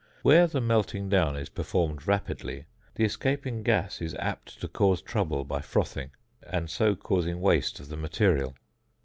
Where the melting down is performed rapidly, the escaping gas is apt to cause trouble by frothing, and so causing waste of the material.